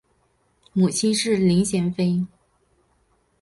母亲是林贤妃。